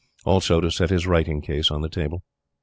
Also to set his writing case on the table.